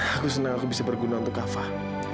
aku senang aku bisa berguna untuk kak fah